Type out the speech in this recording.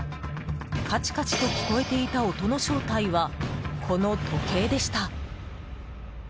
カチカチと聞こえていた音の正体は、この時計でした。